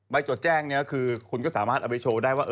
จดแจ้งนี้คือคุณก็สามารถเอาไปโชว์ได้ว่า